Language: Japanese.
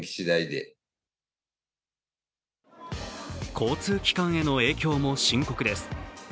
交通機関への影響も深刻です。